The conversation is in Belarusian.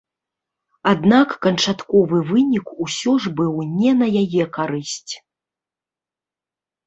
Аднак канчатковы вынік усё ж быў не на яе карысць.